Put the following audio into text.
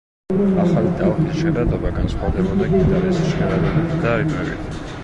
ახალი ტალღის ჟღერადობა განსხვავდებოდა გიტარის ჟღერადობით და რიტმებით.